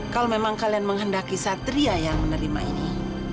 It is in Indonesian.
kalau memang kalian menghendaki satria yang menerima ini